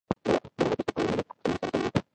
د هغه تصدیق پاڼه مې له غوښتنلیک سره ضمیمه کړه.